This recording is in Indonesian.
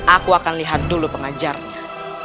aku akan lihat dulu pengajarnya